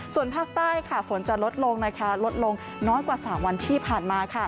ส่วนภาคใต้ฝนจะลดลงลดลงน้อยกว่า๓วันที่ผ่านมา